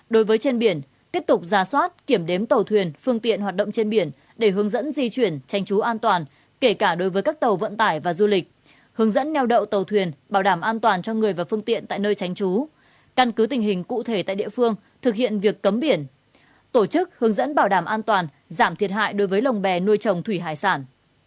đối với trên biển tiếp tục ra soát kiểm đếm tàu thuyền phương tiện hoạt động trên biển để hướng dẫn di chuyển tranh trú an toàn kể cả đối với các tàu vận tải và du lịch hướng dẫn nheo đậu tàu thuyền bảo đảm an toàn cho người và phương tiện tại nơi tranh trú căn cứ tình hình cụ thể tại địa phương thực hiện việc cấm biển tổ chức hướng dẫn bảo đảm an toàn giảm thiệt hại đối với lồng bè nuôi trồng thủy hải sản